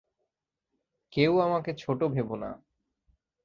কেউ আমাকে ছোট ভেবো না।